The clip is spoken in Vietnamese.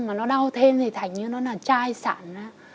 mà nó đau thêm thì thành như nó là chai sản